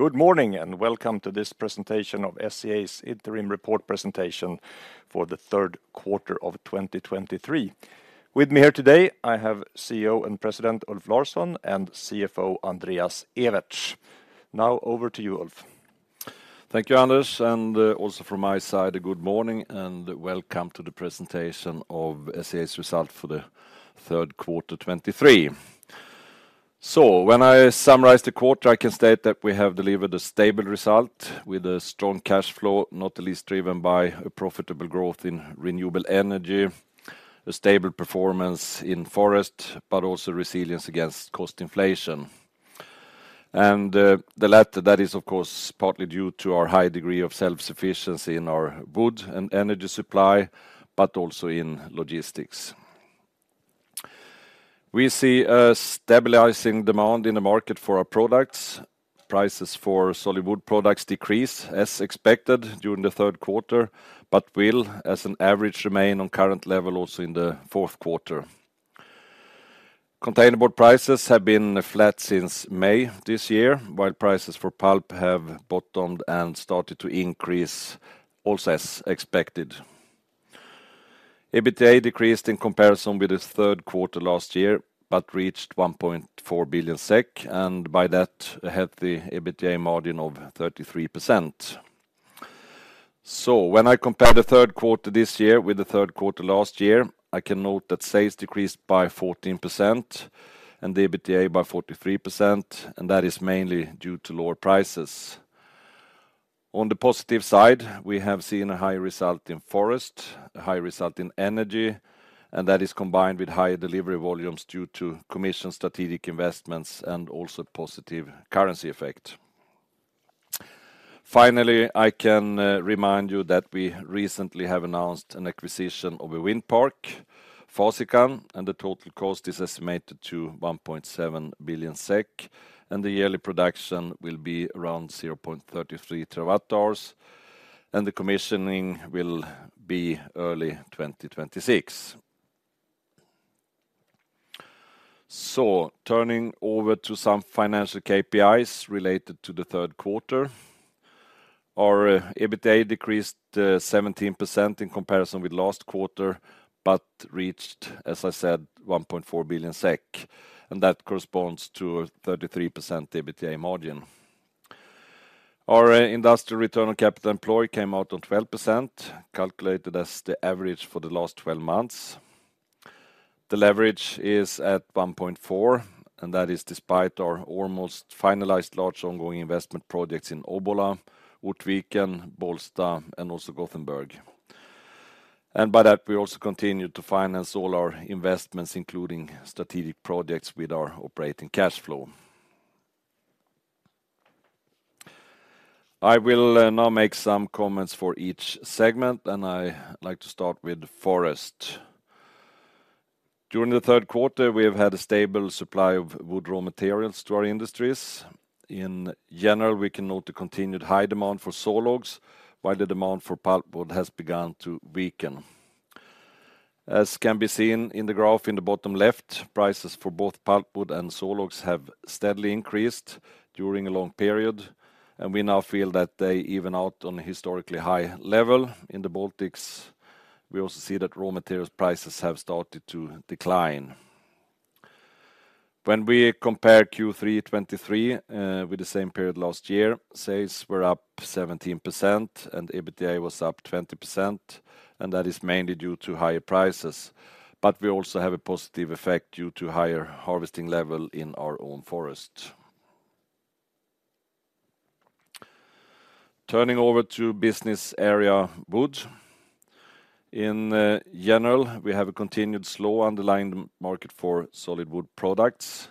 Good morning, and welcome to this presentation of SCA's interim report presentation for the third quarter of 2023. With me here today, I have CEO and President Ulf Larsson, and CFO Andreas Ewertz. Now, over to you, Ulf. Thank you, Anders, and also from my side, a good morning, and welcome to the presentation of SCA's result for the third quarter 2023. So when I summarize the quarter, I can state that we have delivered a stable result with a strong cash flow, not at least driven by a profitable growth in renewable energy, a stable performance in forest, but also resilience against cost inflation. And the latter, that is, of course, partly due to our high degree of self-sufficiency in our wood and energy supply, but also in logistics. We see a stabilizing demand in the market for our products. Prices for solid wood products decrease, as expected, during the third quarter, but will, as an average, remain on current level also in the fourth quarter. Containerboard prices have been flat since May this year, while prices for pulp have bottomed and started to increase, also as expected. EBITDA decreased in comparison with the third quarter last year, but reached 1.4 billion SEK, and by that, had the EBITDA margin of 33%. So when I compare the third quarter this year with the third quarter last year, I can note that sales decreased by 14% and the EBITDA by 43%, and that is mainly due to lower prices. On the positive side, we have seen a high result in forest, a high result in energy, and that is combined with higher delivery volumes due to commission, strategic investments, and also positive currency effect. Finally, I can remind you that we recently have announced an acquisition of a wind park, Furas, and the total cost is estimated to 1.7 billion SEK, and the yearly production will be around 0.33 TWh, and the commissioning will be early 2026. So turning over to some financial KPIs related to the third quarter, our EBITDA decreased 17% in comparison with last quarter, but reached, as I said, 1.4 billion SEK, and that corresponds to a 33% EBITDA margin. Our industrial return on capital employed came out on 12%, calculated as the average for the last twelve months. The leverage is at 1.4, and that is despite our almost finalized large ongoing investment projects in Obbola, Ortviken, Bollsta, and also Gothenburg. And by that, we also continue to finance all our investments, including strategic projects with our operating cash flow. I will now make some comments for each segment, and I like to start with forest. During the third quarter, we have had a stable supply of wood raw materials to our industries. In general, we can note the continued high demand for sawlogs, while the demand for pulpwood has begun to weaken. As can be seen in the graph in the bottom left, prices for both pulpwood and sawlogs have steadily increased during a long period, and we now feel that they even out on a historically high level. In the Baltics, we also see that raw materials prices have started to decline. When we compare Q3 2023 with the same period last year, sales were up 17% and EBITDA was up 20%, and that is mainly due to higher prices. But we also have a positive effect due to higher harvesting level in our own forest. Turning over to business area wood. In general, we have a continued slow underlying market for solid wood products.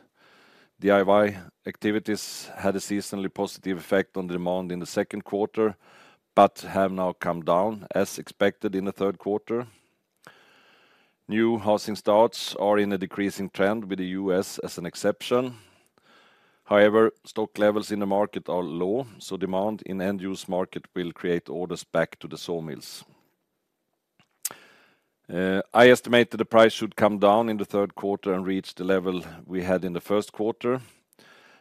DIY activities had a seasonally positive effect on demand in the second quarter, but have now come down as expected in the third quarter. New housing starts are in a decreasing trend, with the US as an exception. However, stock levels in the market are low, so demand in end-use market will create orders back to the sawmills. I estimate that the price should come down in the third quarter and reach the level we had in the first quarter,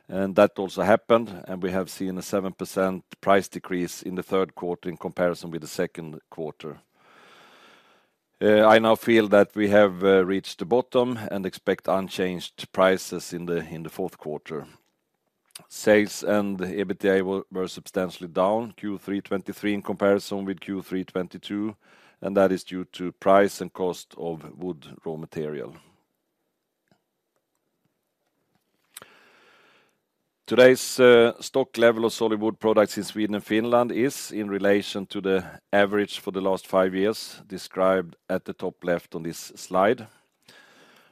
and that also happened, and we have seen a 7% price decrease in the third quarter in comparison with the second quarter. I now feel that we have reached the bottom and expect unchanged prices in the fourth quarter. Sales and EBITDA were substantially down Q3 2023 in comparison with Q3 2022, and that is due to price and cost of wood raw material. Today's stock level of solid wood products in Sweden and Finland is in relation to the average for the last five years, described at the top left on this slide.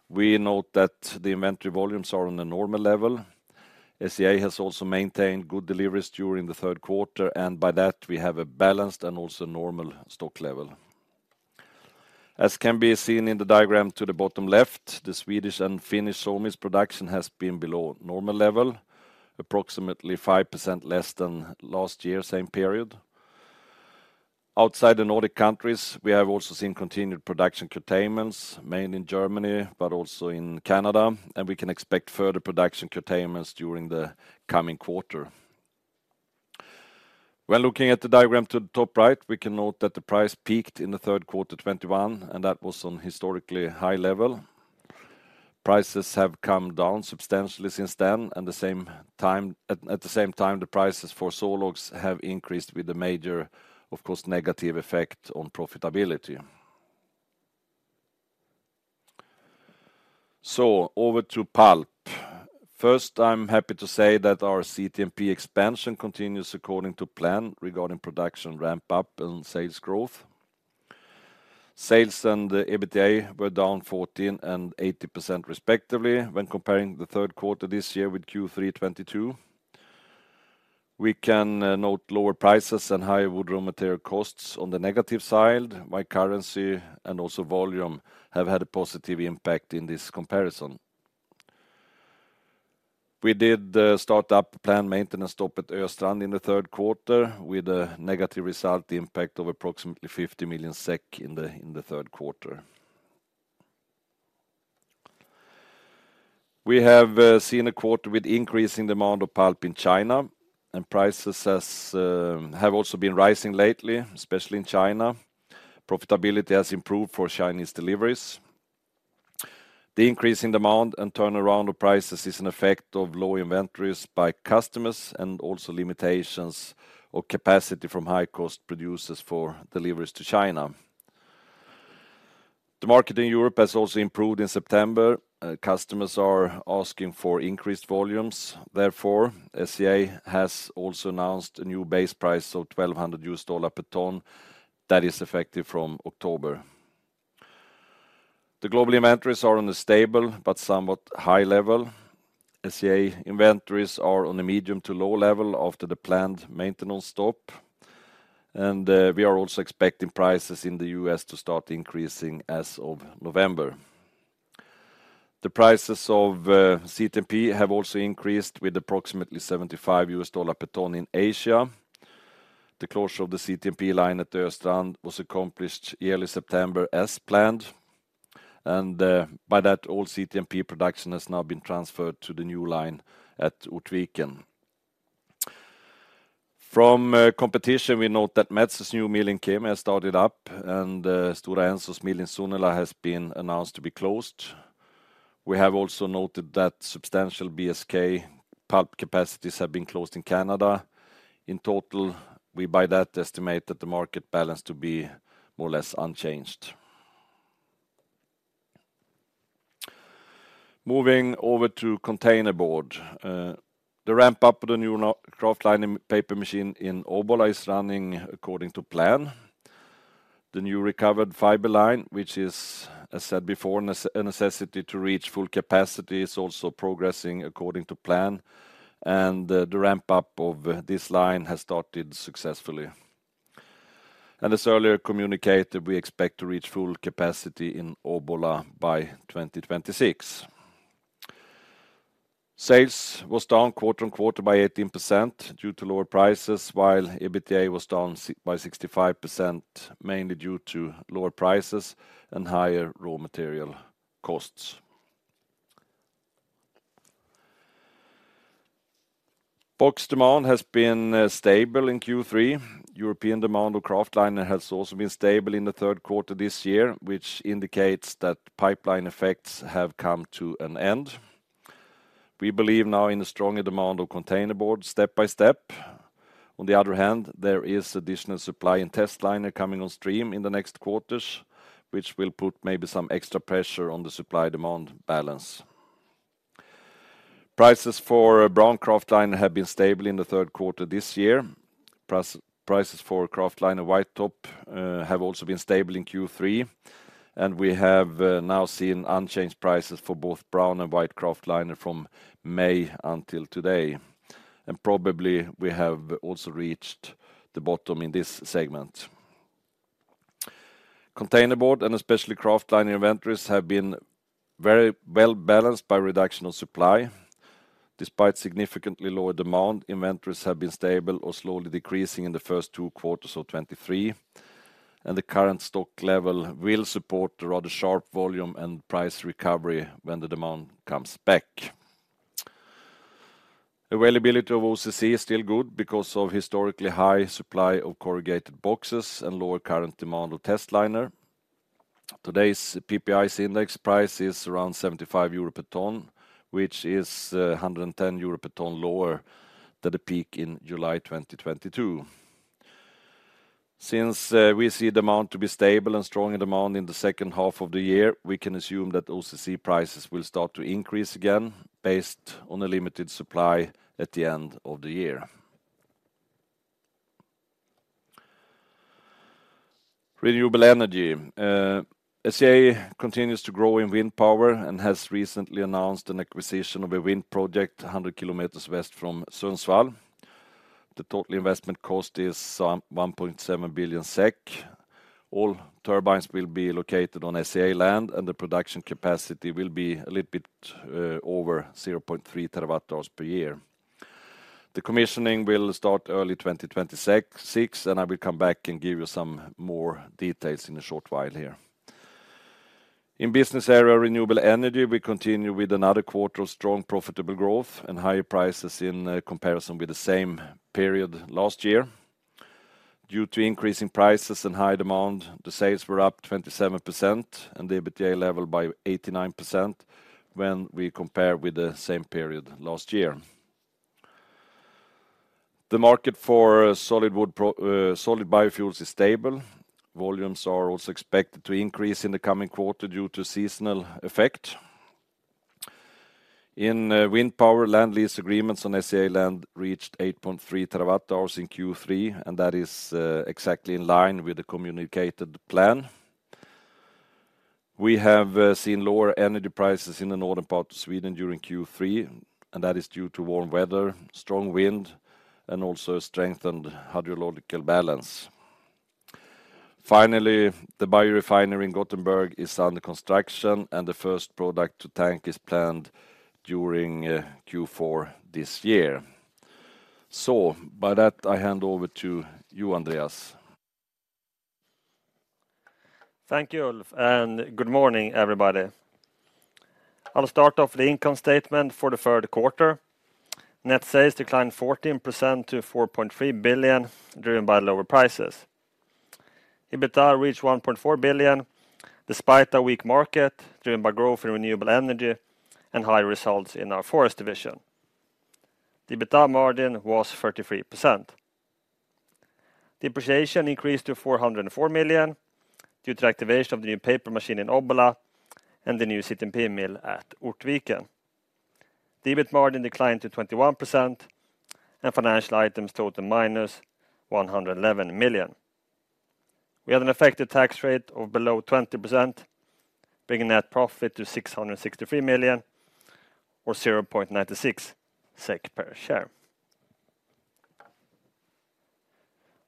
We note that the inventory volumes are on a normal level. SCA has also maintained good deliveries during the third quarter, and by that, we have a balanced and also normal stock level. As can be seen in the diagram to the bottom left, the Swedish and Finnish sawmills production has been below normal level, approximately 5% less than last year, same period. Outside the Nordic countries, we have also seen continued production curtailments, mainly in Germany, but also in Canada, and we can expect further production curtailments during the coming quarter. When looking at the diagram to the top right, we can note that the price peaked in the third quarter 2021, and that was on historically high level. Prices have come down substantially since then, and at the same time, the prices for sawlogs have increased with a major, of course, negative effect on profitability. So over to pulp. First, I'm happy to say that our CTMP expansion continues according to plan regarding production ramp-up and sales growth. Sales and the EBITDA were down 14% and 80% respectively when comparing the third quarter this year with Q3 2022. We can note lower prices and higher wood raw material costs on the negative side, while currency and also volume have had a positive impact in this comparison. We did start up planned maintenance stop at Östrand in the third quarter, with a negative result impact of approximately 50 million SEK in the third quarter. We have seen a quarter with increasing demand of pulp in China, and prices have also been rising lately, especially in China. Profitability has improved for Chinese deliveries. The increase in demand and turnaround of prices is an effect of low inventories by customers and also limitations or capacity from high-cost producers for deliveries to China. The market in Europe has also improved in September. Customers are asking for increased volumes. Therefore, SCA has also announced a new base price of $1,200 per ton that is effective from October. The global inventories are on a stable but somewhat high level. SCA inventories are on a medium to low level after the planned maintenance stop, and we are also expecting prices in the US to start increasing as of November. The prices of CTMP have also increased with approximately $75 per ton in Asia. The closure of the CTMP line at Östrand was accomplished early September as planned, and by that, all CTMP production has now been transferred to the new line at Ortviken. From competition, we note that Metsä's new mill in Kemi has started up, and Stora Enso's mill in Sunila has been announced to be closed. We have also noted that substantial BSK pulp capacities have been closed in Canada. In total, we by that estimate that the market balance to be more or less unchanged. Moving over to containerboard. The ramp-up of the new kraftliner paper machine in Obbola is running according to plan. The new recovered fiber line, which is, as said before, a necessity to reach full capacity, is also progressing according to plan, and the ramp-up of this line has started successfully. As earlier communicated, we expect to reach full capacity in Obbola by 2026. Sales was down quarter-on-quarter by 18% due to lower prices, while EBITDA was down by 65%, mainly due to lower prices and higher raw material costs. Box demand has been stable in Q3. European demand of Kraftliner has also been stable in the third quarter this year, which indicates that pipeline effects have come to an end. We believe now in a stronger demand of containerboard step by step. On the other hand, there is additional supply and testliner coming on stream in the next quarters, which will put maybe some extra pressure on the supply-demand balance. Prices for brown Kraftliner have been stable in the third quarter this year. Prices for kraftliner white top have also been stable in Q3, and we have now seen unchanged prices for both brown and white kraftliner from May until today. And probably, we have also reached the bottom in this segment. Containerboard, and especially kraftliner inventories, have been very well balanced by reduction of supply. Despite significantly lower demand, inventories have been stable or slowly decreasing in the first two quarters of 2023, and the current stock level will support the rather sharp volume and price recovery when the demand comes back. Availability of OCC is still good because of historically high supply of corrugated boxes and lower current demand of testliner. Today's PPI index price is around 75 EUR/ton, which is 110 EUR/ton lower than the peak in July 2022. Since we see the amount to be stable and stronger demand in the second half of the year, we can assume that OCC prices will start to increase again, based on a limited supply at the end of the year. Renewable energy. SCA continues to grow in wind power and has recently announced an acquisition of a wind project, 100 kilometers west from Sundsvall. The total investment cost is 1.7 billion SEK. All turbines will be located on SCA land, and the production capacity will be a little bit over 0.3 TWh per year. The commissioning will start early 2026, and I will come back and give you some more details in a short while here. In business area, renewable energy, we continue with another quarter of strong, profitable growth and higher prices in comparison with the same period last year. Due to increasing prices and high demand, the sales were up 27% and the EBITDA level by 89% when we compare with the same period last year. The market for solid biofuels is stable. Volumes are also expected to increase in the coming quarter due to seasonal effect. In wind power, land lease agreements on SCA land reached 8.3 TWh in Q3, and that is exactly in line with the communicated plan. We have seen lower energy prices in the northern part of Sweden during Q3, and that is due to warm weather, strong wind, and also a strengthened hydrological balance. Finally, the biorefinery in Gothenburg is under construction, and the first product to tank is planned during Q4 this year. So by that, I hand over to you, Andreas. Thank you, Ulf, and good morning, everybody. I'll start off the income statement for the third quarter. Net sales declined 14% to 4.3 billion, driven by lower prices. EBITDA reached 1.4 billion, despite a weak market, driven by growth in renewable energy and high results in our forest division. The EBITDA margin was 33%. Depreciation increased to 404 million due to activation of the new paper machine in Obbola and the new CTMP mill at Ortviken. The EBIT margin declined to 21%, and financial items totaled -111 million. We had an effective tax rate of below 20%, bringing net profit to 663 million, or 0.96 SEK per share.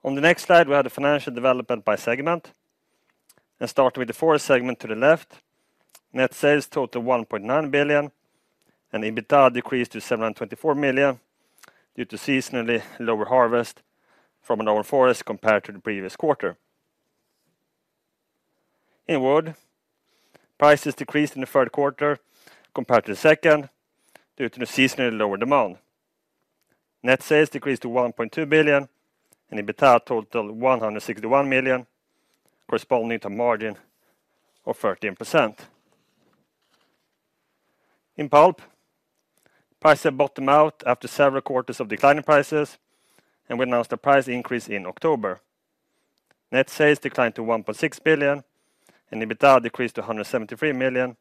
On the next slide, we have the financial development by segment, and start with the forest segment to the left. Net sales totaled 1.9 billion, and EBITDA decreased to 724 million due to seasonally lower harvest from a lower forest compared to the previous quarter. In wood, prices decreased in the third quarter compared to the second, due to the seasonally lower demand. Net sales decreased to 1.2 billion, and EBITDA totaled 161 million, corresponding to a margin of 13%. In pulp, prices bottomed out after several quarters of declining prices, and we announced a price increase in October. Net sales declined to 1.6 billion, and EBITDA decreased to 173 million,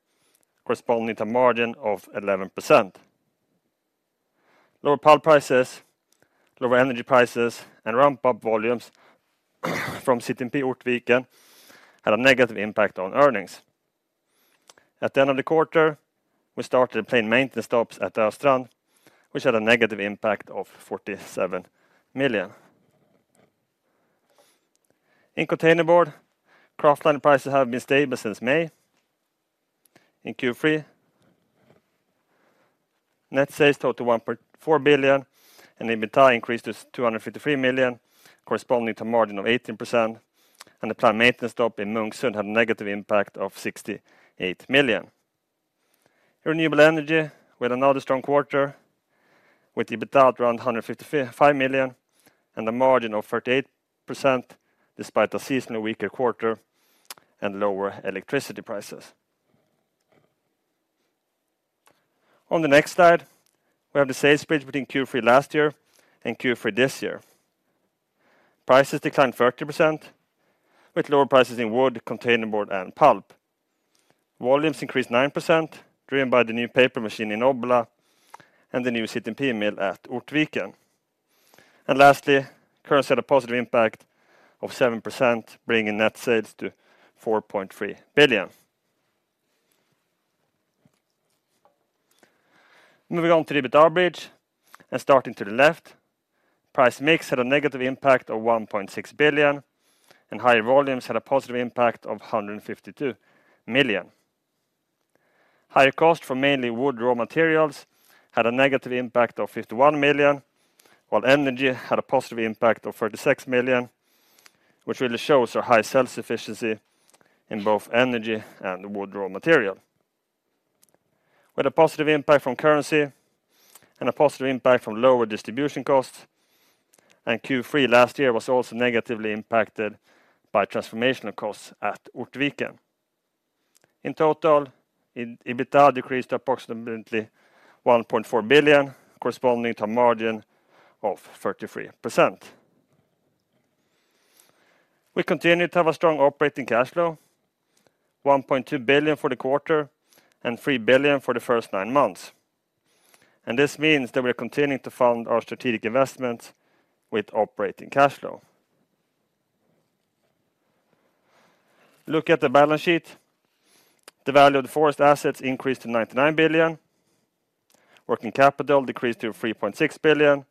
corresponding to a margin of 11%. Lower pulp prices, lower energy prices, and ramp-up volumes from CTMP Ortviken had a negative impact on earnings. At the end of the quarter, we started planned maintenance stops at Östrand, which had a negative impact of 47 million. In container board, kraftliner prices have been stable since May. In Q3, net sales totaled 1.4 billion, and EBITDA increased to 253 million, corresponding to a margin of 18%, and the planned maintenance stop in Munksund had a negative impact of 68 million. Renewable energy, we had another strong quarter, with EBITDA at around 155 million and a margin of 38%, despite a seasonally weaker quarter and lower electricity prices. On the next slide, we have the sales split between Q3 last year and Q3 this year. Prices declined 30%, with lower prices in wood, container board, and pulp. Volumes increased 9%, driven by the new paper machine in Obbola and the new CTMP mill at Ortviken. Lastly, currency had a positive impact of 7%, bringing net sales to 4.3 billion. Moving on to the EBITDA bridge, and starting to the left, price mix had a negative impact of 1.6 billion, and higher volumes had a positive impact of 152 million. Higher cost from mainly wood raw materials had a negative impact of 51 million, while energy had a positive impact of 36 million, which really shows our high sales efficiency in both energy and wood raw material. With a positive impact from currency and a positive impact from lower distribution costs, and Q3 last year was also negatively impacted by transformational costs at Ortviken. In total, EBITDA decreased to approximately 1.4 billion, corresponding to a margin of 33%. We continue to have a strong operating cash flow, 1.2 billion for the quarter and 3 billion for the first nine months. This means that we're continuing to fund our strategic investments with operating cash flow. Look at the balance sheet. The value of the forest assets increased to 99 billion. Working capital decreased to 3.6 billion,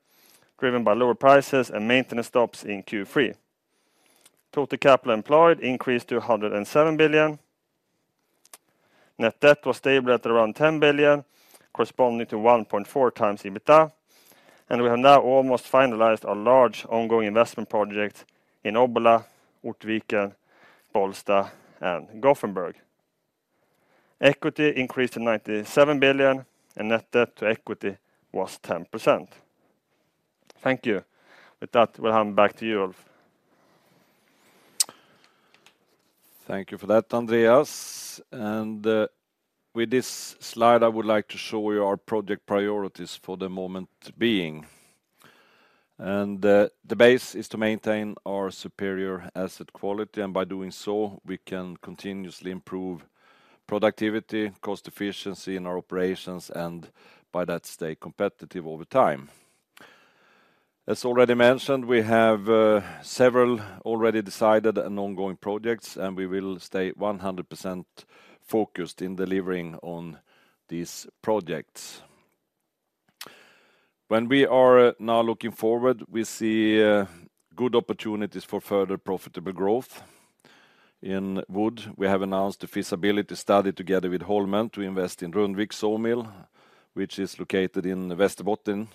driven by lower prices and maintenance stops in Q3. Total capital employed increased to 107 billion. Net debt was stable at around 10 billion, corresponding to 1.4 times EBITDA, and we have now almost finalized our large ongoing investment project in Obbola, Ortviken, Bollsta, and Gothenburg. Equity increased to 97 billion, and net debt to equity was 10%. Thank you. With that, we'll hand back to you, Ulf. Thank you for that, Andreas. With this slide, I would like to show you our project priorities for the moment being. The base is to maintain our superior asset quality, and by doing so, we can continuously improve productivity, cost efficiency in our operations, and by that, stay competitive over time. As already mentioned, we have several already decided and ongoing projects, and we will stay 100% focused in delivering on these projects. When we are now looking forward, we see good opportunities for further profitable growth. In wood, we have announced a feasibility study together with Holmen to invest in Rundvik Sawmill, which is located in Västerbotten.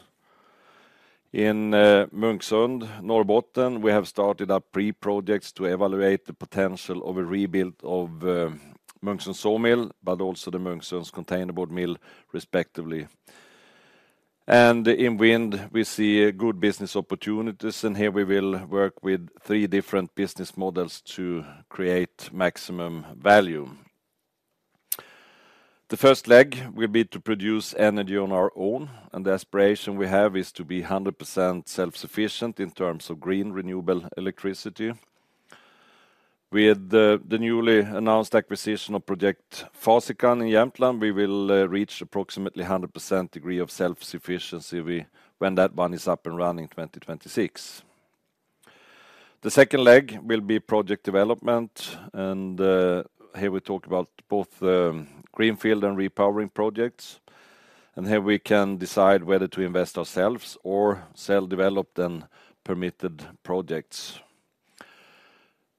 In Munksund, Norrbotten, we have started up pre-projects to evaluate the potential of a rebuild of Munksund Sawmill, but also the Munksund's containerboard mill, respectively. In wind, we see good business opportunities, and here we will work with three different business models to create maximum value. The first leg will be to produce energy on our own, and the aspiration we have is to be 100% self-sufficient in terms of green, renewable electricity. With the newly announced acquisition of Furas in Jämtland, we will reach approximately 100% degree of self-sufficiency when that one is up and running in 2026. The second leg will be project development, and here we talk about both the greenfield and repowering projects, and here we can decide whether to invest ourselves or sell developed and permitted projects.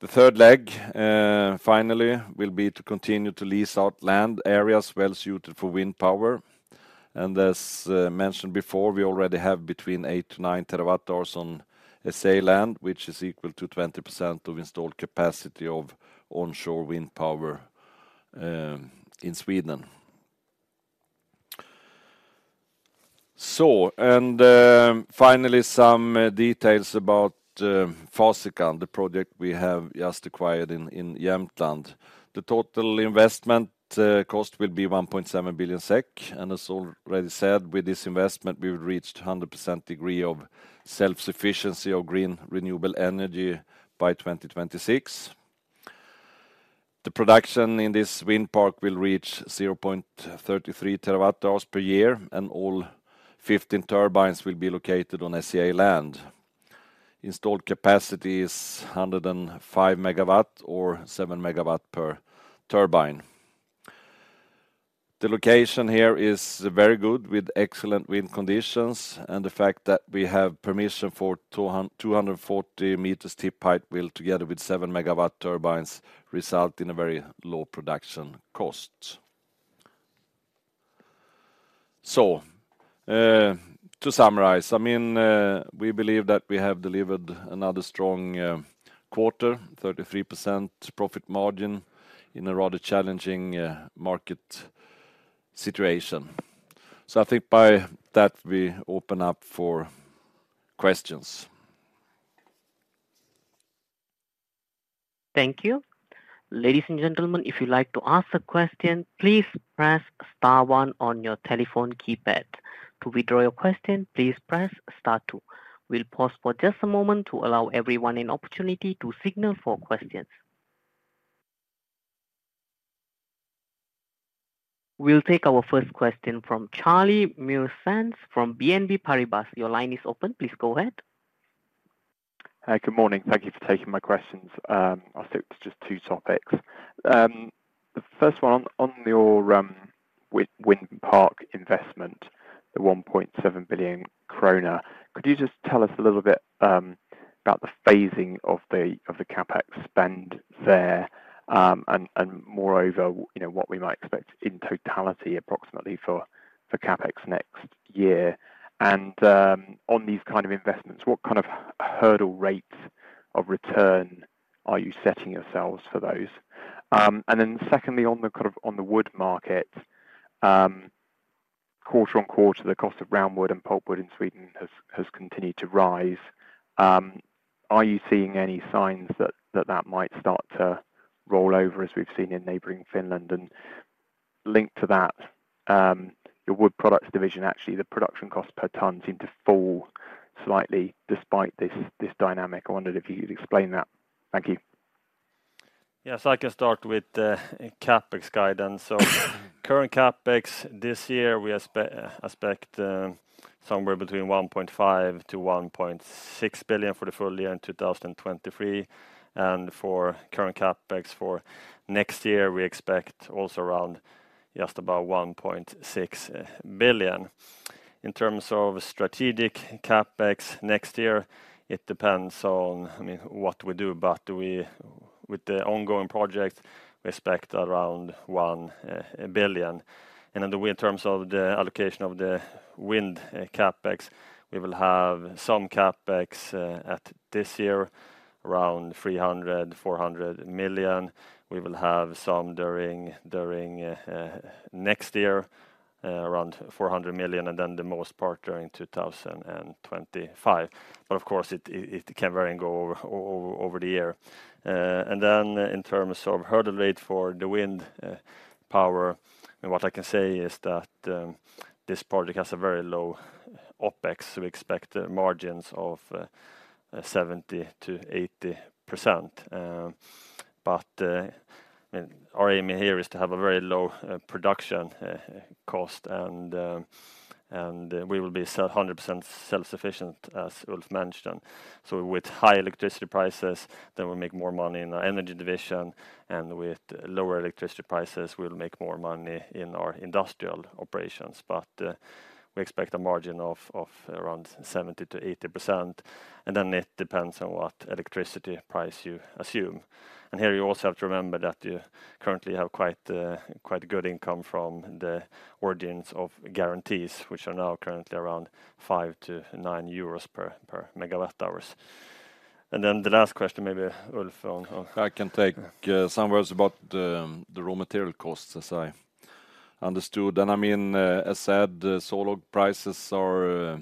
The third leg, finally, will be to continue to lease out land areas well suited for wind power. As mentioned before, we already have between 8-9 TWh on SCA land, which is equal to 20% of installed capacity of onshore wind power in Sweden. Finally, some details about Furas, the project we have just acquired in Jämtland. The total investment cost will be 1.7 billion SEK, and as already said, with this investment, we would reach 100% degree of self-sufficiency of green renewable energy by 2026. The production in this wind park will reach 0.33 TWh per year, and all 15 turbines will be located on SCA land. Installed capacity is 105 MW or 7 MW per turbine. The location here is very good, with excellent wind conditions and the fact that we have permission for 240-meter tip height will, together with 7-megawatt turbines, result in a very low production cost. So, to summarize, I mean, we believe that we have delivered another strong quarter, 33% profit margin in a rather challenging market situation. So I think by that, we open up for questions. Thank you. Ladies and gentlemen, if you'd like to ask a question, please press star one on your telephone keypad. To withdraw your question, please press star two. We'll pause for just a moment to allow everyone an opportunity to signal for questions. We'll take our first question from Charlie Muir-Sands from BNP Paribas. Your line is open. Please go ahead. Hi, good morning. Thank you for taking my questions. I think it's just two topics. The first one on your wind park investment, the 1.7 billion kronor. Could you just tell us a little bit about the phasing of the CapEx spend there? And moreover, you know, what we might expect in totality, approximately for CapEx next year. And on these kind of investments, what kind of hurdle rates of return are you setting yourselves for those? And then secondly, on the wood market, quarter-on-quarter, the cost of round wood and pulp wood in Sweden has continued to rise. Are you seeing any signs that that might start to roll over, as we've seen in neighboring Finland? Linked to that, your wood products division, actually, the production cost per ton seemed to fall slightly despite this, this dynamic. I wondered if you could explain that. Thank you. Yes, I can start with the CapEx guidance. Current CapEx this year, we expect somewhere between 1.5 billion-1.6 billion for the full year in 2023. For current CapEx for next year, we expect also around just about 1.6 billion. In terms of strategic CapEx next year, it depends on, I mean, what we do, but with the ongoing project, we expect around 1 billion. In terms of the allocation of the wind CapEx, we will have some CapEx this year, around 300 million-400 million. We will have some during next year, around 400 million, and then the most part during 2025. Of course, it can vary and go over the year. And then in terms of hurdle rate for the wind power, what I can say is that this project has a very low OpEx, so we expect margins of 70%-80%. But our aim here is to have a very low production cost, and we will be 100% self-sufficient, as Ulf mentioned. So with high electricity prices, then we make more money in our energy division, and with lower electricity prices, we'll make more money in our industrial operations. But we expect a margin of around 70%-80%, and then it depends on what electricity price you assume. Here, you also have to remember that you currently have quite, quite good income from the guarantees of origin, which are now currently around 5-9 euros per MWh. Then the last question, maybe Ulf, on- I can take some words about the raw material costs, as I understood. And I mean, as said, the sawlog prices are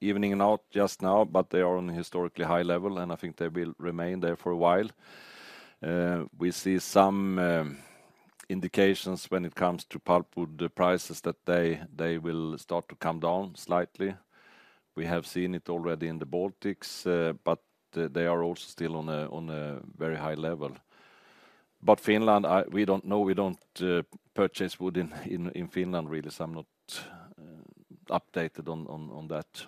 evening out just now, but they are on a historically high level, and I think they will remain there for a while. We see some indications when it comes to pulpwood, the prices, that they will start to come down slightly. We have seen it already in the Baltics, but they are also still on a very high level. But Finland, we don't know. We don't purchase wood in Finland, really, so I'm not updated on that.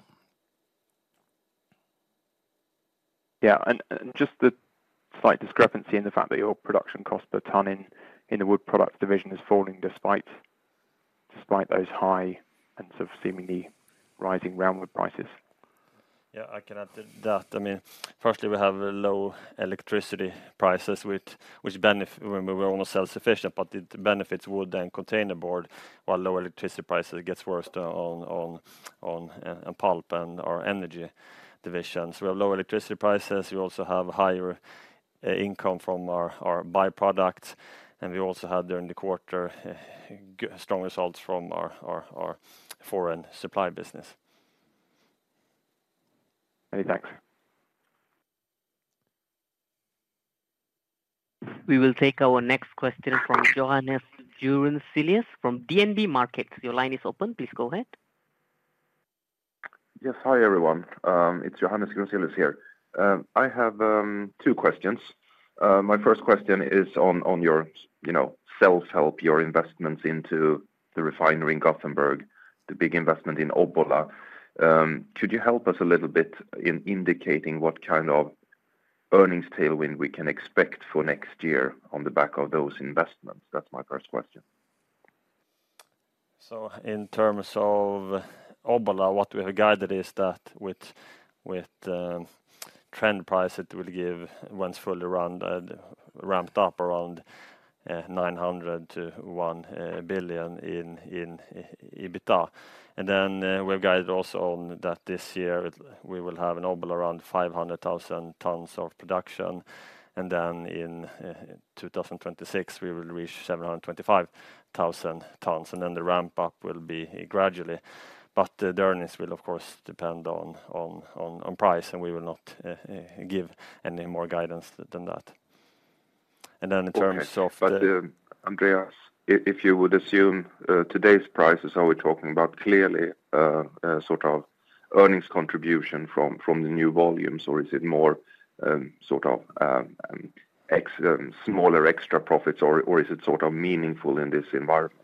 Yeah, and just the slight discrepancy in the fact that your production cost per ton in the wood product division is falling, despite those high and seemingly rising roundwood prices. Yeah, I can add to that. I mean, firstly, we have a low electricity prices, which, which benefit... We, we're almost self-sufficient, but it benefits wood and containerboard, while lower electricity prices gets worse on pulp and our energy divisions. We have lower electricity prices. We also have higher income from our by-product, and we also had, during the quarter, strong results from our foreign supply business. Many thanks. We will take our next question from Johannes Grunselius from DNB Markets. Your line is open. Please go ahead. Yes, hi, everyone. It's Johannes Grunselius here. I have two questions. My first question is on your, you know, self-help, your investments into the refinery in Gothenburg, the big investment in Obbola. Could you help us a little bit in indicating what kind of earnings tailwind we can expect for next year on the back of those investments? That's my first question. So in terms of Obbola, what we have guided is that with trend price, it will give, once fully run, ramped up, around 900 million-1 billion in EBITDA. And then, we've guided also on that this year, we will have in Obbola around 500,000 tons of production, and then in 2026, we will reach 725,000 tons, and then the ramp-up will be gradually. But the earnings will, of course, depend on price, and we will not give any more guidance than that. And then in terms of the- Okay. But, Andreas, if you would assume today's prices, are we talking about clearly a sort of earnings contribution from the new volumes, or is it more sort of smaller extra profits, or is it sort of meaningful in this environment?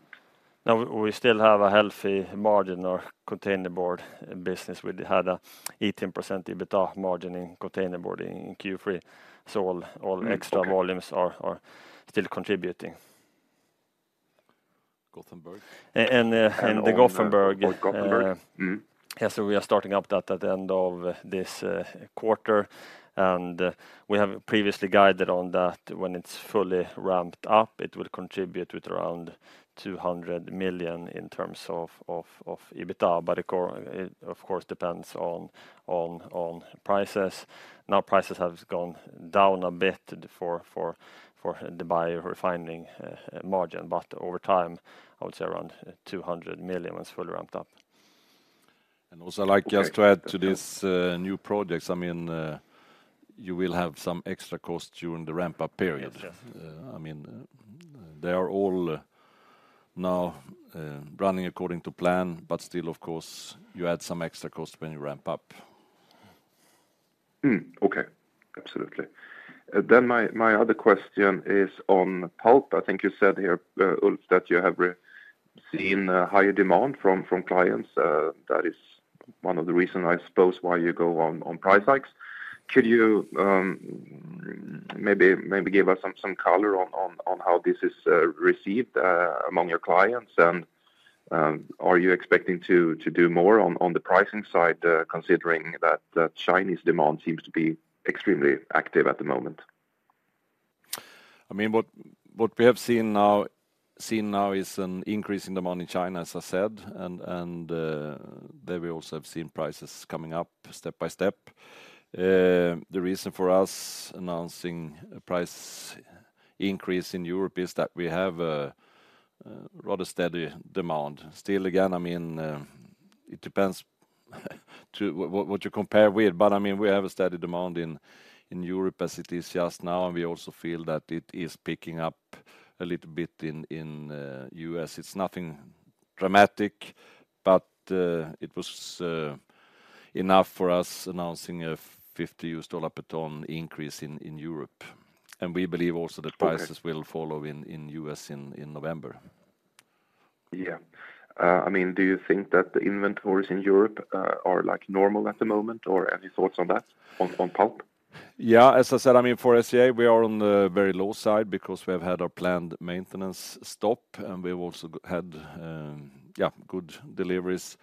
No, we still have a healthy margin on our containerboard business. We had an 18% EBITDA margin in containerboard in Q3, so all extra- Okay... volumes are still contributing. Gothenburg? And the Gothenburg. And on, Gothenburg. Mm-hmm. Yes, so we are starting up that at the end of this quarter, and we have previously guided on that when it's fully ramped up, it will contribute with around 200 million in terms of EBITDA, but it, of course, depends on prices. Now, prices have gone down a bit for the biorefining margin, but over time, I would say around 200 million when it's fully ramped up. Also, I'd like just to add to this, new projects. I mean, you will have some extra costs during the ramp-up period. Yes. I mean, they are all now running according to plan, but still, of course, you add some extra cost when you ramp up. Okay, absolutely. Then my other question is on pulp. I think you said here, Ulf, that you have recently seen a higher demand from clients. That is one of the reasons, I suppose, why you go on price hikes. Could you maybe give us some color on how this is received among your clients? And, are you expecting to do more on the pricing side, considering that the Chinese demand seems to be extremely active at the moment? I mean, what we have seen now is an increase in demand in China, as I said, and, and, there we also have seen prices coming up step by step. The reason for us announcing a price increase in Europe is that we have a rather steady demand. Still, again, I mean, it depends to what you compare with, but, I mean, we have a steady demand in Europe as it is just now, and we also feel that it is picking up a little bit in the U.S. It's nothing dramatic, but it was enough for us announcing a $50 per ton increase in Europe. And we believe also that- Okay... prices will follow in U.S. in November. Yeah. I mean, do you think that the inventories in Europe are, like, normal at the moment, or any thoughts on that, on pulp? Yeah, as I said, I mean, for SCA, we are on the very low side because we have had our planned maintenance stop, and we've also had, yeah, good deliveries.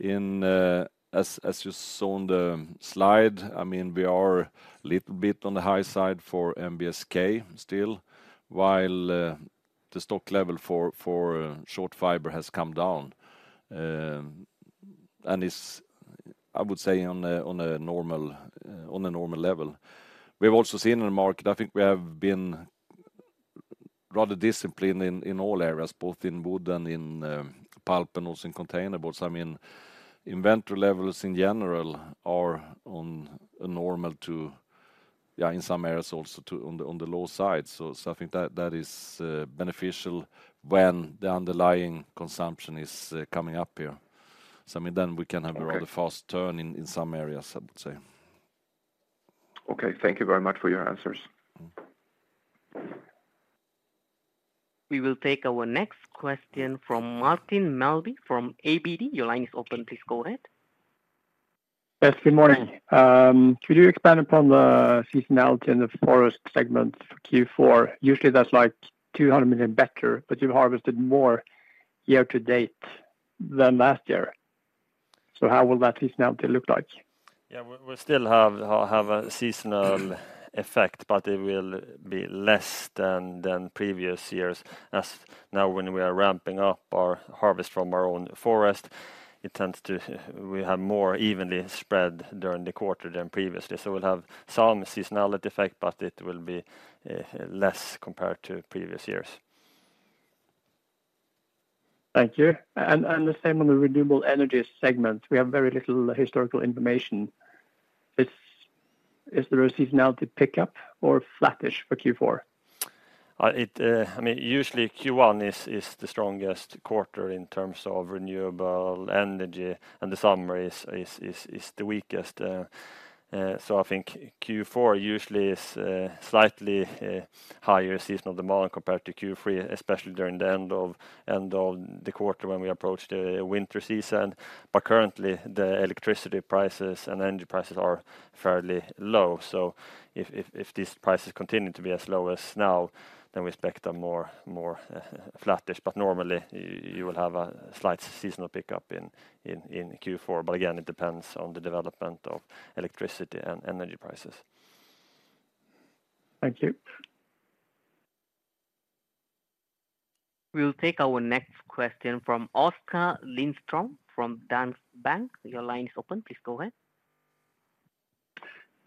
In, as, as you saw on the slide, I mean, we are little bit on the high side for NBSK still, while, the stock level for, for short fiber has come down, and is, I would say, on a, on a normal, on a normal level. We've also seen in the market, I think we have been rather disciplined in, in all areas, both in wood and in, pulp and also in container boards. I mean, inventory levels in general are on a normal to, yeah, in some areas also to on the, on the low side. So, I think that is beneficial when the underlying consumption is coming up here. So, I mean, then we can have- Okay... a rather fast turn in, in some areas, I would say. Okay, thank you very much for your answers. We will take our next question from Martin Melbye from ABG. Your line is open, please go ahead. Yes, good morning. Could you expand upon the seasonality in the forest segment for Q4? Usually, that's, like, 200 million better, but you've harvested more year to date than last year. So how will that seasonality look like? Yeah, we still have a seasonal effect, but it will be less than previous years, as now when we are ramping up our harvest from our own forest, it tends to... We have more evenly spread during the quarter than previously. So we'll have some seasonality effect, but it will be less compared to previous years. Thank you. And the same on the renewable energy segment. We have very little historical information. Is there a seasonality pickup or flattish for Q4? I mean, usually Q1 is the strongest quarter in terms of renewable energy, and the summer is the weakest. So I think Q4 usually is slightly higher seasonal demand compared to Q3, especially during the end of the quarter when we approach the winter season. But currently, the electricity prices and energy prices are fairly low. So if these prices continue to be as low as now, then we expect a more flattish. But normally, you will have a slight seasonal pickup in Q4. But again, it depends on the development of electricity and energy prices. Thank you. We'll take our next question from Oskar Lindström, from Danske Bank Your line is open, please go ahead.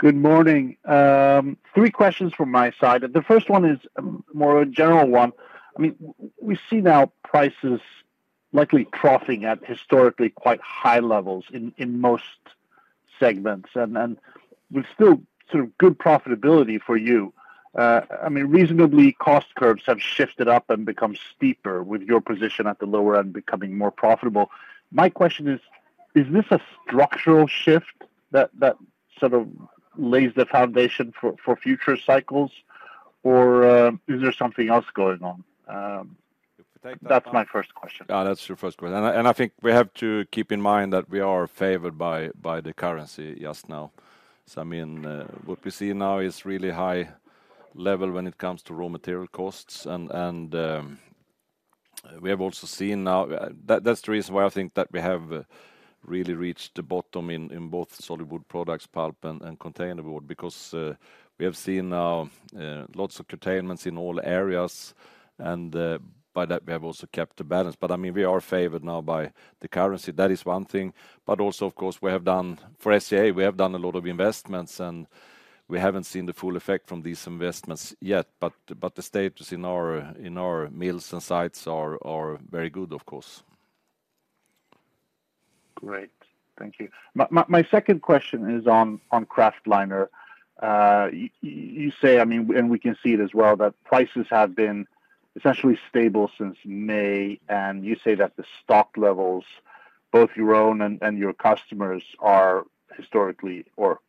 Good morning. Three questions from my side. The first one is, more a general one. I mean, we see now prices likely troughing at historically quite high levels in, in most segments, and then with still sort of good profitability for you. I mean, reasonably, cost curves have shifted up and become steeper, with your position at the lower end becoming more profitable. My question is, is this a structural shift that, that sort of lays the foundation for, for future cycles, or, is there something else going on? To take that one? That's my first question. That's your first question, and I think we have to keep in mind that we are favored by the currency just now. So, I mean, what we see now is really high level when it comes to raw material costs, and we have also seen now... That's the reason why I think that we have really reached the bottom in both solid wood products, pulp, and container board. Because we have seen now lots of curtailments in all areas, and by that, we have also kept the balance. But, I mean, we are favored now by the currency. That is one thing, but also, of course, we have done... For SCA, we have done a lot of investments, and we haven't seen the full effect from these investments yet, but the status in our mills and sites are very good, of course. ... Great. Thank you. My second question is on Kraftliner. You say, I mean, and we can see it as well, that prices have been essentially stable since May, and you say that the stock levels, both your own and your customers, are historically low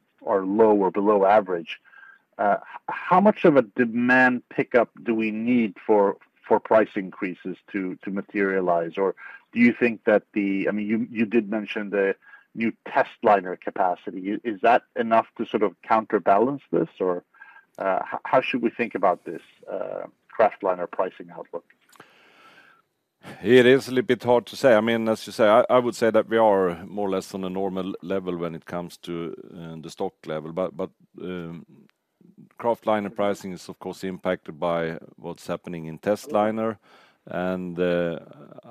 or below average. How much of a demand pickup do we need for price increases to materialize? Or do you think that the... I mean, you did mention the new testliner capacity. Is that enough to sort of counterbalance this? Or, how should we think about this, Kraftliner pricing outlook? It is a little bit hard to say. I mean, as you say, I, I would say that we are more or less on a normal level when it comes to the stock level. But kraftliner pricing is, of course, impacted by what's happening in testliner. And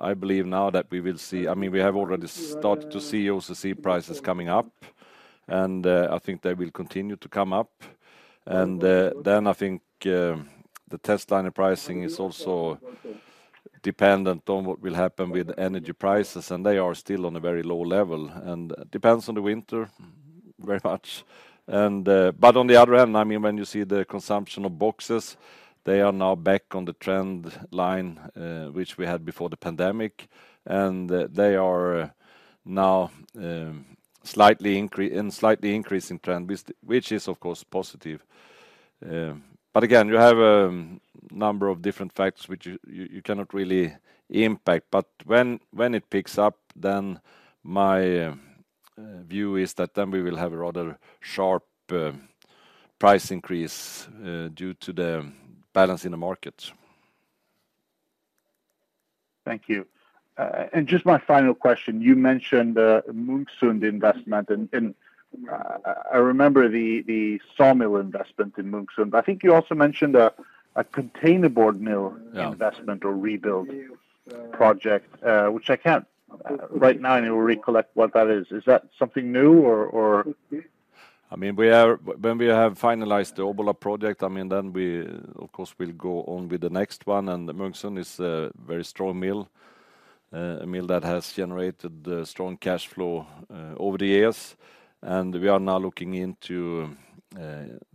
I believe now that we will see—I mean, we have already started to see OCC prices coming up, and I think they will continue to come up. And then I think the testliner pricing is also dependent on what will happen with energy prices, and they are still on a very low level, and depends on the winter very much. But on the other end, I mean, when you see the consumption of boxes, they are now back on the trend line, which we had before the pandemic, and they are now in slightly increasing trend, which is, of course, positive. But again, you have number of different factors which you cannot really impact. But when it picks up, then my view is that then we will have a rather sharp price increase due to the balance in the market. Thank you. And just my final question, you mentioned Munksund investment, and I remember the sawmill investment in Munksund. I think you also mentioned a containerboard mill- Yeah investment or rebuild project, which I can't right now recollect what that is. Is that something new or or? I mean, we are when we have finalized the Obbola project, I mean, then we, of course, will go on with the next one, and the Munksund is a very strong mill, a mill that has generated strong cash flow over the years. We are now looking into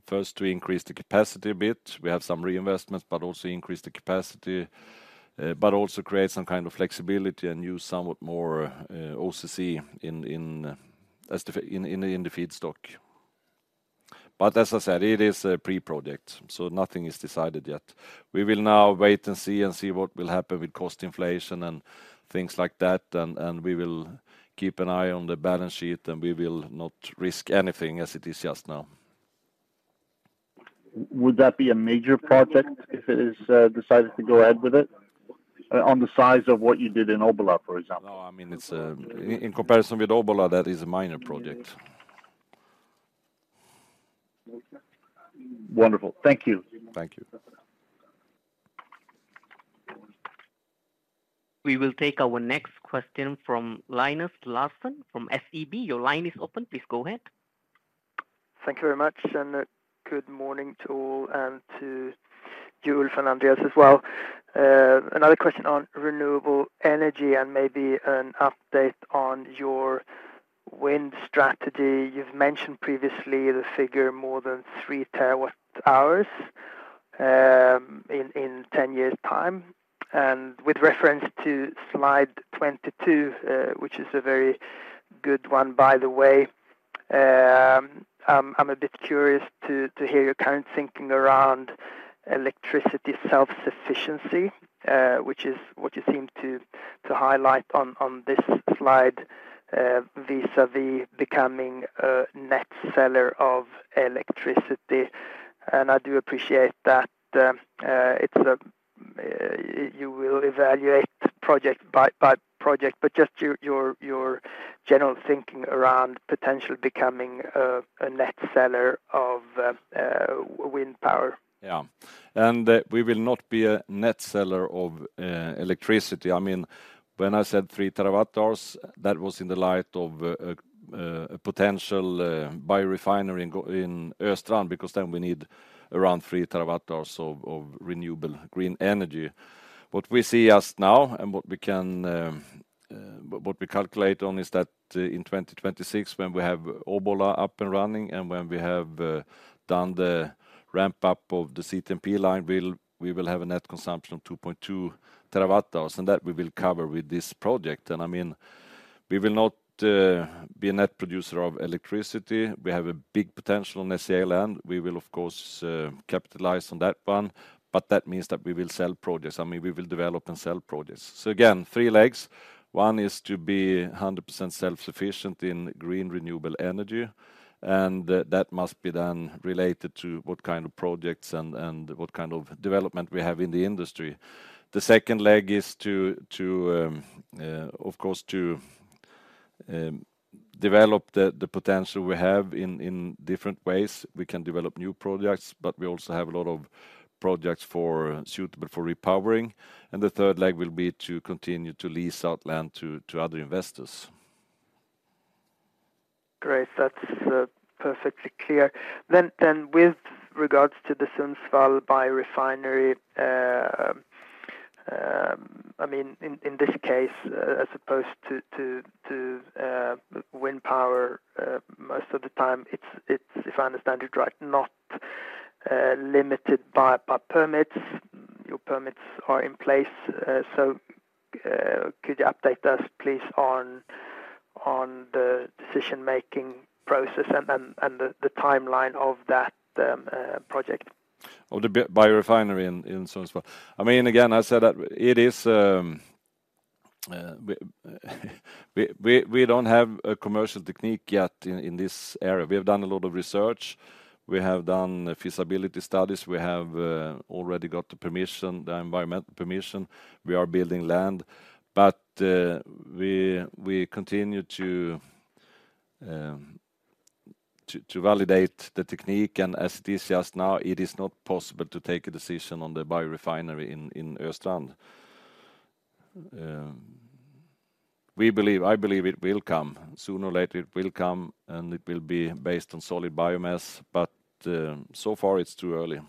first to increase the capacity a bit. We have some reinvestments, but also increase the capacity, but also create some kind of flexibility and use somewhat more OCC in the feedstock. But as I said, it is a pre-project, so nothing is decided yet. We will now wait and see, and see what will happen with cost inflation and things like that, and we will keep an eye on the balance sheet, and we will not risk anything as it is just now. Would that be a major project if it is decided to go ahead with it on the size of what you did in Obbola, for example? No, I mean, it's in comparison with Obbola, that is a minor project. Wonderful. Thank you. Thank you. We will take our next question from Linus Larsson from SEB. Your line is open. Please go ahead. Thank you very much, and good morning to all, and to you, Ulf and Andreas, as well. Another question on renewable energy, and maybe an update on your wind strategy. You've mentioned previously the figure more than 3 TWh in 10 years' time. And with reference to slide 22, which is a very good one, by the way, I'm a bit curious to hear your current thinking around electricity self-sufficiency, which is what you seem to highlight on this slide, vis-a-vis becoming a net seller of electricity. And I do appreciate that it's a you will evaluate project by project, but just your general thinking around potentially becoming a net seller of wind power. Yeah. We will not be a net seller of electricity. I mean, when I said 3 TWh, that was in the light of a potential biorefinery in Östrand, because then we need around 3 TWh of renewable green energy. What we see just now and what we can calculate on is that in 2026, when we have Obbola up and running, and when we have done the ramp-up of the CTMP line, we will have a net consumption of 2.2 TWh, and that we will cover with this project. And I mean, we will not be a net producer of electricity. We have a big potential on SCA land. We will, of course, capitalize on that one, but that means that we will sell projects. I mean, we will develop and sell projects. So again, three legs: One is to be 100% self-sufficient in green, renewable energy, and that must be then related to what kind of projects and what kind of development we have in the industry. The second leg is to, of course, develop the potential we have in different ways. We can develop new projects, but we also have a lot of projects suitable for repowering. And the third leg will be to continue to lease out land to other investors.... Great, that's perfectly clear. Then with regards to the Sundsvall biorefinery, I mean, in this case, as opposed to wind power, most of the time, it's, if I understand it right, not limited by permits. Your permits are in place, so could you update us, please, on the decision-making process and the timeline of that project? Of the biorefinery in Sundsvall. I mean, again, I said that it is, we don't have a commercial technique yet in this area. We have done a lot of research. We have done feasibility studies. We have already got the permission, the environmental permission. We are building land. But we continue to validate the technique, and as it is just now, it is not possible to take a decision on the biorefinery in Östrand. We believe, I believe it will come. Sooner or later, it will come, and it will be based on solid biomass, but so far, it's too early.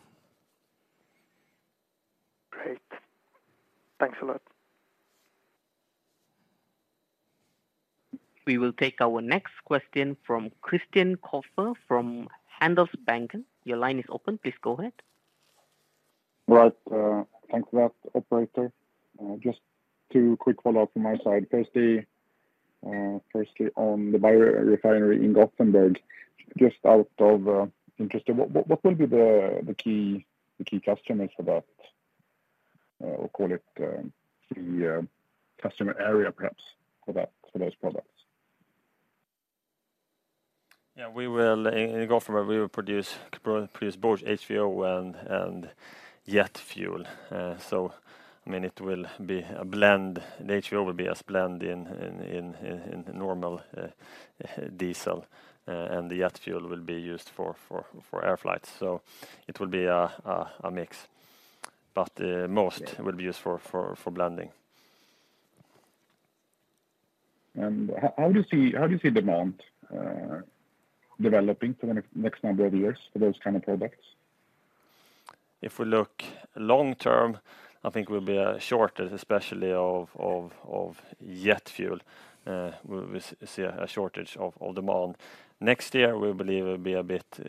Great. Thanks a lot. We will take our next question from Christian Kopfer from Handelsbanken. Your line is open, please go ahead. Right. Thanks for that, operator. Just two quick follow-up from my side. Firstly, firstly, on the biorefinery in Gothenburg, just out of interest, what, what, what will be the, the key, the key customers for that? Or call it, the customer area, perhaps, for that, for those products. Yeah, we will in Gothenburg produce both HVO and jet fuel. So, I mean, it will be a blend. The HVO will be a blend in normal diesel, and the jet fuel will be used for air flights. So it will be a mix, but most will be used for blending. How do you see, how do you see demand developing for the next number of years for those kind of products? If we look long term, I think we'll be shorter, especially of jet fuel. We see a shortage of demand. Next year, we believe it will be a bit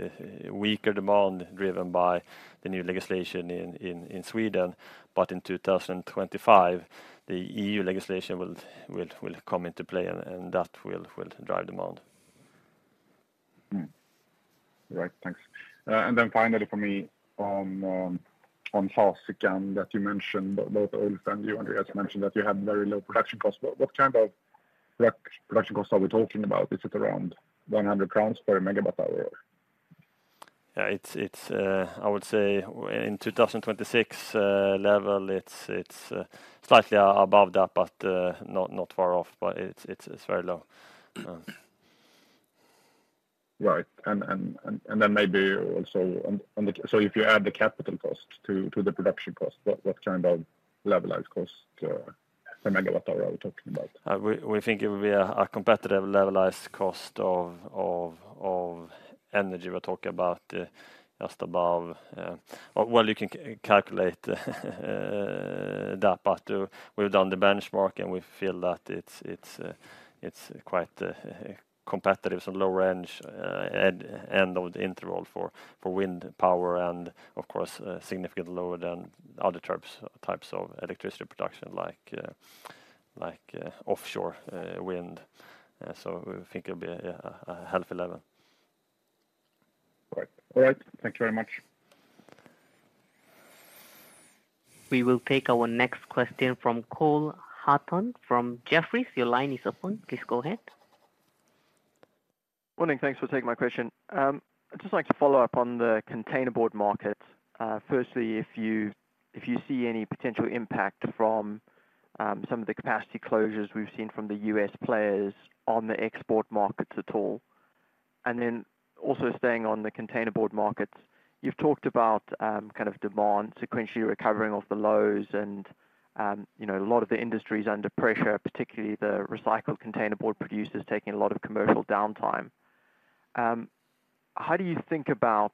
weaker demand, driven by the new legislation in Sweden, but in 2025, the EU legislation will come into play, and that will drive demand. Right. Thanks. And then finally for me, on Furas that you mentioned, both Ulf and you, Andreas, mentioned that you had very low production cost. What kind of production costs are we talking about? Is it around GBP 100 per MWh? Yeah, it's. I would say in 2026 level, it's slightly above that, but not far off, but it's very low. Right. Then maybe also on the... So if you add the capital cost to the production cost, what kind of levelized cost per megawatt hour are we talking about? We think it will be a competitive levelized cost of energy. We're talking about just above... Well, you can calculate that, but we've done the benchmark, and we feel that it's quite competitive and low range at end of the interval for wind power, and of course, significantly lower than other types of electricity production, like offshore wind. So we think it'll be a healthy level. Right. All right. Thank you very much. We will take our next question from Cole Hathorn from Jefferies. Your line is open. Please go ahead. Morning. Thanks for taking my question. I'd just like to follow up on the containerboard market. Firstly, if you see any potential impact from some of the capacity closures we've seen from the U.S. players on the export markets at all. Then also staying on the containerboard markets, you've talked about kind of demand sequentially recovering off the lows and you know, a lot of the industries under pressure, particularly the recycled containerboard producers taking a lot of commercial downtime. How do you think about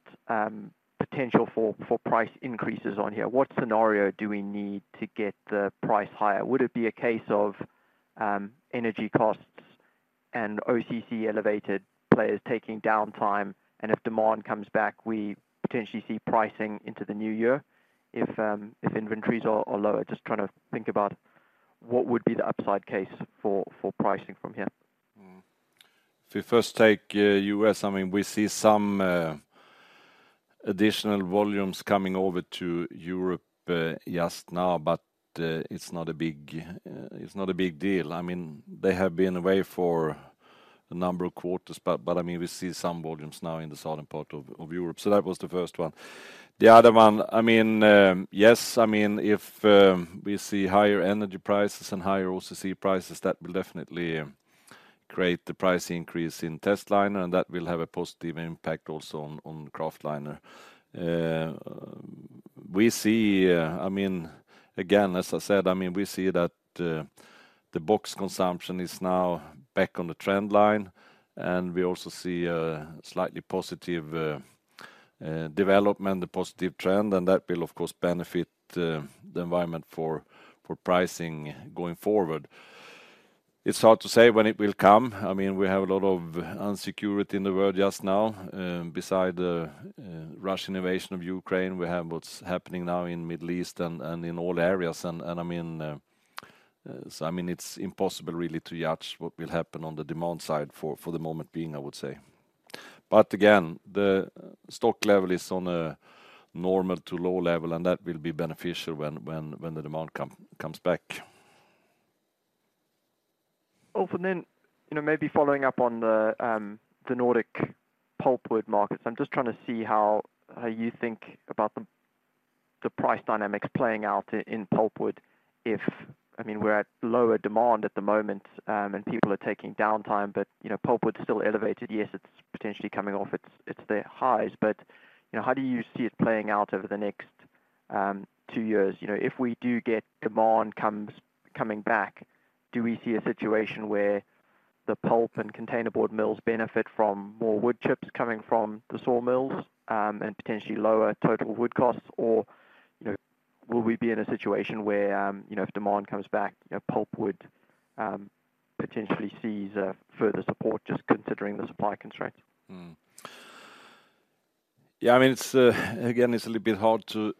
potential for price increases on here? What scenario do we need to get the price higher? Would it be a case of energy costs and OCC elevated players taking downtime, and if demand comes back, we potentially see pricing into the new year if inventories are lower? Just trying to think about what would be the upside case for, for pricing from here. Mm-hmm. If we first take U.S., I mean, we see some additional volumes coming over to Europe just now, but it's not a big deal. I mean, they have been away for a number of quarters, but I mean, we see some volumes now in the southern part of Europe. So that was the first one. The other one, I mean, yes, I mean, if we see higher energy prices and higher OCC prices, that will definitely create the price increase in testliner, and that will have a positive impact also on kraftliner.... We see, I mean, again, as I said, I mean, we see that the box consumption is now back on the trend line, and we also see a slightly positive development, the positive trend, and that will, of course, benefit the environment for pricing going forward. It's hard to say when it will come. I mean, we have a lot of uncertainty in the world just now, beside the Russian invasion of Ukraine, we have what's happening now in Middle East and in all areas, and I mean, so I mean, it's impossible really to judge what will happen on the demand side for the moment being, I would say. But again, the stock level is on a normal to low level, and that will be beneficial when the demand comes back. Also then, you know, maybe following up on the Nordic pulpwood markets, I'm just trying to see how you think about the price dynamics playing out in pulpwood if... I mean, we're at lower demand at the moment, and people are taking downtime, but, you know, pulpwood is still elevated. Yes, it's potentially coming off its the highs, but, you know, how do you see it playing out over the next two years? You know, if we do get demand coming back, do we see a situation where the pulp and container board mills benefit from more wood chips coming from the saw mills, and potentially lower total wood costs? Or, you know, will we be in a situation where, you know, if demand comes back, you know, pulpwood potentially sees further support, just considering the supply constraints? Hmm. Yeah, I mean, it's again, it's a little bit hard to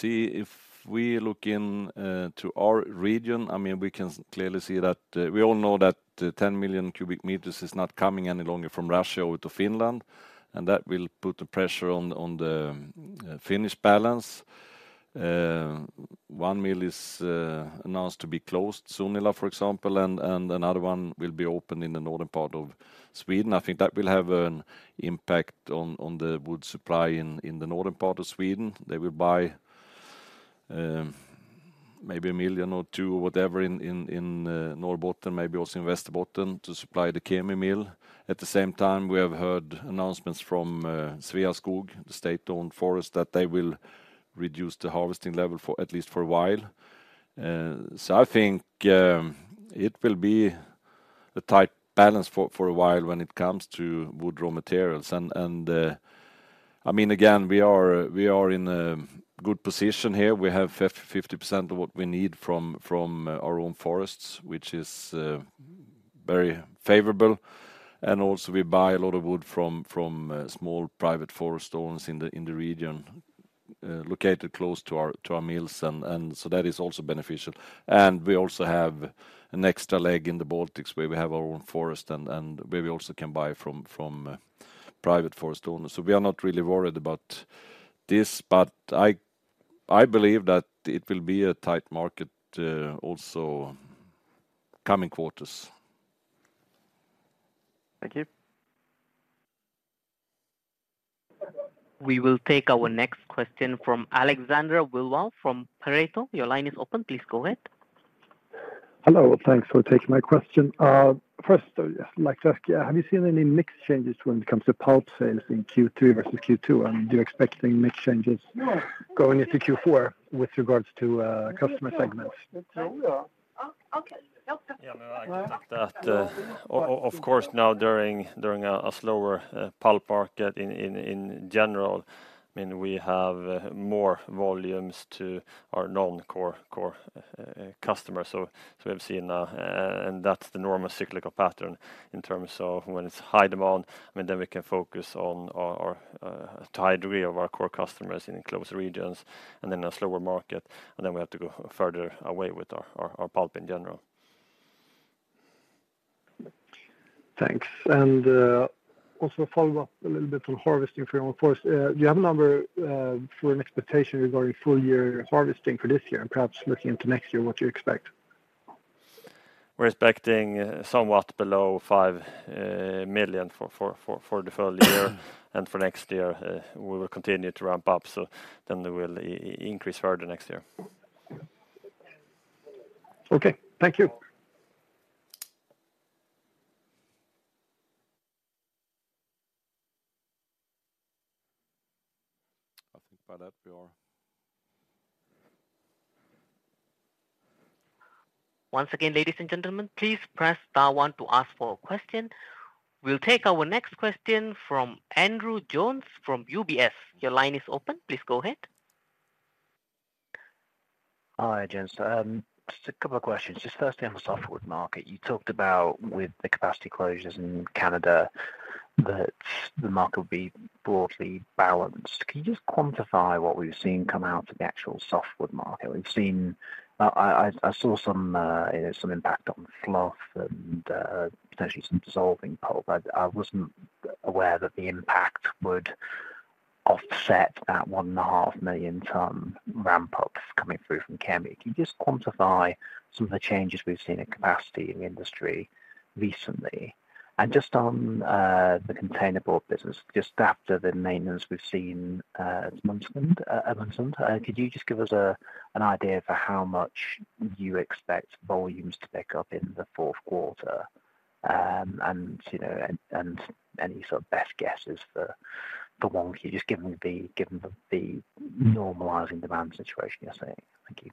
see. If we look into our region, I mean, we can clearly see that we all know that the 10 million cubic meters is not coming any longer from Russia over to Finland, and that will put the pressure on the Finnish balance. One mill is announced to be closed, Sunila, for example, and another one will be opened in the northern part of Sweden. I think that will have an impact on the wood supply in the northern part of Sweden. They will buy, maybe 1 million or 2, whatever, in Norrbotten, maybe also in Västerbotten, to supply the Kemi mill. At the same time, we have heard announcements from Sveaskog, the state-owned forest, that they will reduce the harvesting level for at least for a while. So I think it will be a tight balance for a while when it comes to wood raw materials. And I mean, again, we are in a good position here. We have 50, 50% of what we need from our own forests, which is very favorable. And also, we buy a lot of wood from small private forest owners in the region located close to our mills, and so that is also beneficial. And we also have an extra leg in the Baltics, where we have our own forest and where we also can buy from private forest owners. We are not really worried about this, but I believe that it will be a tight market, also coming quarters. Thank you. We will take our next question from Alexander Vilval from Pareto. Your line is open. Please go ahead. Hello, thanks for taking my question. First, I'd like to ask you, have you seen any mix changes when it comes to pulp sales in Q2 versus Q2? And do you expecting mix changes going into Q4 with regards to customer segments? Yeah, I expect that, of course, now, during a slower pulp market in general, I mean, we have more volumes to our non-core, core customers. We've seen, and that's the normal cyclical pattern in terms of when it's high demand, I mean, then we can focus on our, to high degree, our core customers in close regions, and then a slower market, and then we have to go further away with our pulp in general. Thanks. And, also a follow-up, a little bit from harvesting for your forest. Do you have a number for an expectation regarding full year harvesting for this year, and perhaps looking into next year, what you expect? We're expecting somewhat below 5 million for the full year. For next year, we will continue to ramp up, so then we will increase further next year. Okay, thank you. I think by that we are... Once again, ladies and gentlemen, please press star one to ask for a question. We'll take our next question from Andrew Jones from UBS. Your line is open. Please go ahead. Hi, gents. Just a couple of questions. Just firstly, on the softwood market, you talked about with the capacity closures in Canada, that the market will be broadly balanced. Can you just quantify what we've seen come out of the actual softwood market? We've seen... I saw some impact on fluff and potentially some dissolving pulp. I wasn't aware that the impact would offset that 1.5 million ton ramp up coming through from Kemi. Can you just quantify some of the changes we've seen in capacity in the industry recently? And just on the containerboard business, just after the maintenance we've seen at Munksund, at Munksund, could you just give us an idea for how much you expect volumes to pick up in the fourth quarter?... And you know, any sort of best guesses for one, can you just give them the normalizing demand situation you're saying? Thank you.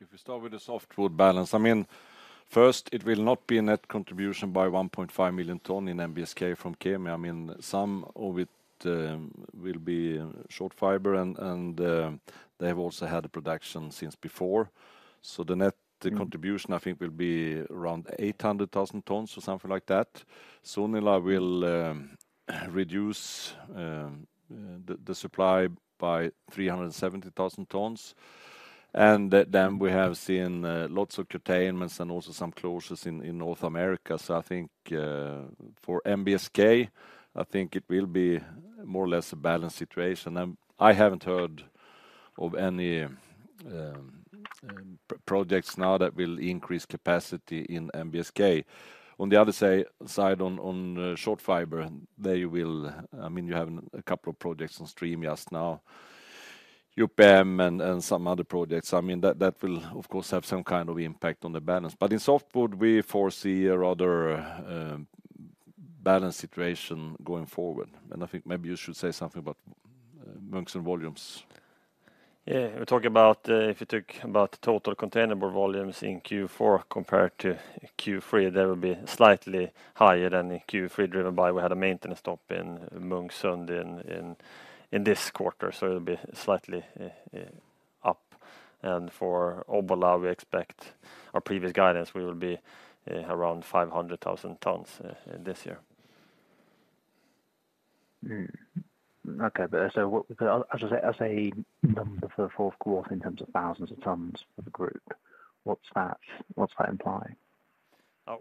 If we start with the softwood balance, I mean, first, it will not be a net contribution by 1.5 million tons in MBSK from Kemi. I mean, some of it will be short fiber, and they have also had a production since before. So the net contribution, I think, will be around 800,000 tons or something like that. Sunila will reduce the supply by 370,000 tons, and then we have seen lots of curtailments and also some closures in North America. So I think, for MBSK, I think it will be more or less a balanced situation. I haven't heard of any projects now that will increase capacity in MBSK. On the other side, on short fiber, I mean, you have a couple of projects on stream just now, UPM and some other projects. I mean, that will, of course, have some kind of impact on the balance. But in softwood, we foresee a rather balanced situation going forward, and I think maybe you should say something about Munksund volumes. Yeah, we're talking about, if you talk about the total containerboard volumes in Q4 compared to Q3, they will be slightly higher than in Q3, driven by we had a maintenance stop in Munksund in this quarter, so it'll be slightly up. And for Obbola, we expect our previous guidance will be around 500,000 tons this year. Hmm. Okay, but so what—as a number for fourth quarter in terms of thousands of tons for the group, what's that? What's that imply?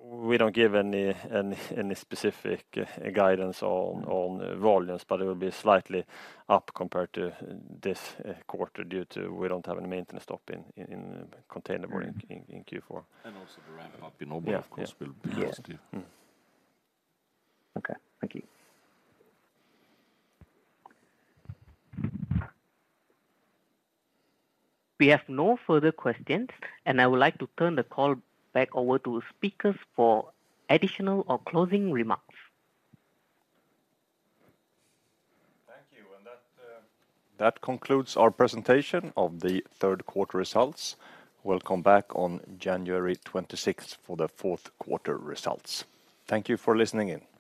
We don't give any specific guidance on volumes, but it will be slightly up compared to this quarter, due to we don't have any maintenance stop in containerboard in Q4. Also the ramp up in Obbola- Yeah. Of course, will be positive. Yeah. Mm. Okay. Thank you. We have no further questions, and I would like to turn the call back over to speakers for additional or closing remarks. Thank you. And that, that concludes our presentation of the third quarter results. We'll come back on January twenty-sixth for the fourth quarter results. Thank you for listening in.